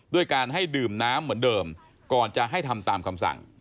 ด้วยการให้ดื่มน้ำเหมือนเดิมก่อนจะให้ทำตามคำสั่ง